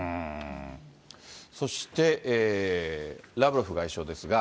そして、ラブロフ外相ですが。